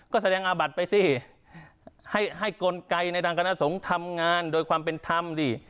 ก็แสดงอาบัติไปสิให้กลไกในทางคณะสงฆ์ทำงานโดยความเป็นธรรมดิ